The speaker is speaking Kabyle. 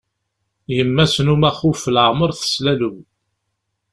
Yemma-s n umaxuf leεmer teslalew.